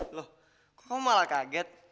loh kamu malah kaget